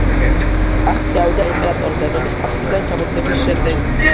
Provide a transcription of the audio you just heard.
ტახტზე ავიდა იმპერატორ ზენონის ტახტიდან ჩამოგდების შემდეგ.